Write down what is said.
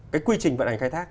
cái quy trình vận hành khai thác